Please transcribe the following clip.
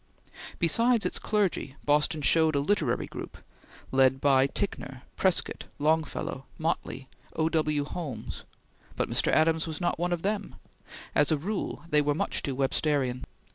Besides its clergy, Boston showed a literary group, led by Ticknor, Prescott, Longfellow, Motley, O. W. Holmes; but Mr. Adams was not one of them; as a rule they were much too Websterian.